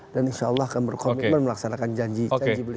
dan insya allah akan berkomitmen melaksanakan janji janji beliau